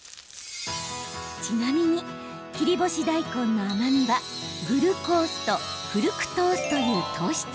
ちなみに切り干し大根の甘みはグルコースとフルクトースという糖質。